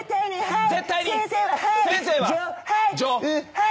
はい。